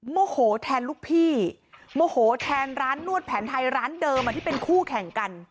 โมโหแทนลูกพี่โมโหแทนร้านนวดแผนไทยร้านเดิมที่เป็นคู่แข่งกัน